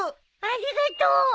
ありがとう。